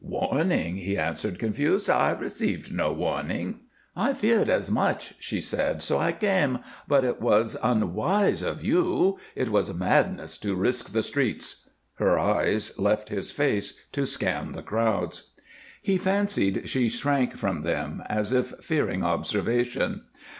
"Warning?" he answered, confused. "I received no warning." "I feared as much," she said, "so I came. But it was unwise of you; it was madness to risk the streets." Her eyes left his face, to scan the crowds. He fancied she shrank from them, as if fearing observation.